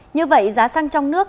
như vậy giá xăng trong nước